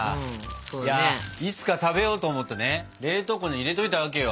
いやいつか食べようと思ってね冷凍庫に入れといたわけよ。